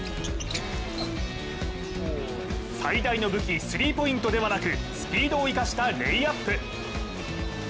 最大の武器スリーポイントではなく、スピードを生かしたレイアップ。